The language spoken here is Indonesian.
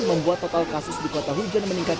membuat total kasus di kota hujan meningkat